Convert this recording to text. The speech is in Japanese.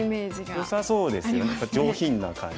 よさそうですよね上品な感じ。